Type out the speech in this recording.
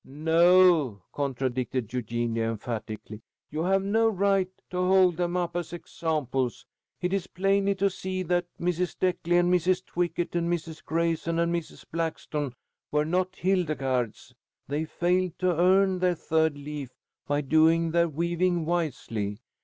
"No!" contradicted Eugenia, emphatically. "You have no right to hold them up as examples. It is plainly to be seen that Mrs. Deckly and Mrs. Twickett and Mrs. Grayson and Mrs. Blackstone were not Hildegardes. They failed to earn their third leaf by doing their weaving wisely.